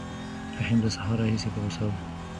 رحیم له سهار راهیسې په غوسه و.